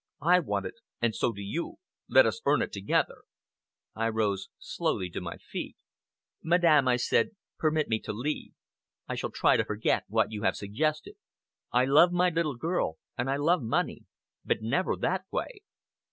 I want it and so do you! Let us earn it together." I rose slowly to my feet. "Madame," I said, "permit me to leave. I shall try to forget what you have suggested. I love my little girl and I love money. But never that way!"